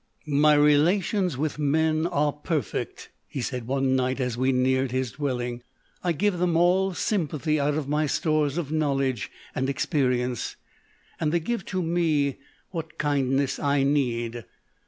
44 My relations with men are perfect, 11 he said one night as we neared his dwelling. " I give them all sympathy out of my stores of knowledge and ex perience, and they give to me what kindness I need.